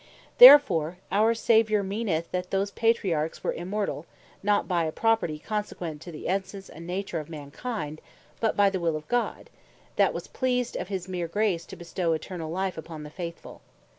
Therefore our Saviour meaneth, that those Patriarchs were Immortall; not by a property consequent to the essence, and nature of mankind, but by the will of God, that was pleased of his mere grace, to bestow Eternall Life upon the faithfull.